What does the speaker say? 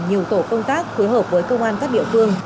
nhiều tổ công tác phối hợp với công an các địa phương